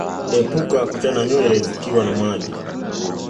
Epuka kuchana nywele zikiwa na maji